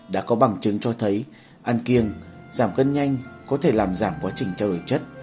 đã có bằng chứng cho thấy ăn kiêng giảm cân nhanh có thể làm giảm quá trình trao đổi chất